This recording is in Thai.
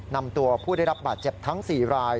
นำตัวผู้ได้รับบาดเจ็บทั้ง๔ราย